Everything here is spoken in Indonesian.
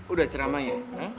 udah ceramah ya